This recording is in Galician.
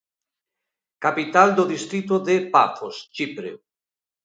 Capital do distrito de Pafos, Chipre.